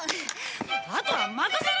あとは任せる！